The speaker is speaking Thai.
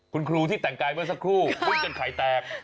คุณครูที่แต่งกายเมื่อสักครู่พูดจนไข่แตก